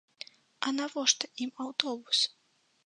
А навошта ім аўтобус?